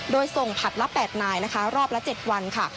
โดยส่งผลัดละ๘นายนะคะรอบละ๗วันค่ะ